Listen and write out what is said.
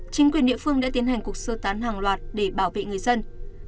chính quyền địa phương đã tiến hành cuộc sơ tán hàng loạt để bảo vệ người dân